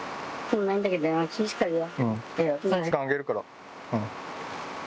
・その時間あげるから。